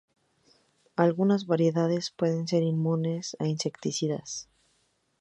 Algunas variedades pueden ser inmunes a insecticidas.